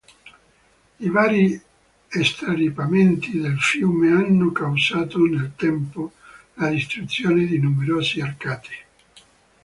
I vari straripamenti del fiume hanno causato nel tempo la distruzione di numerose arcate.